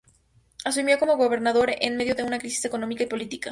Asumió como gobernador en medio de una crisis económica y política.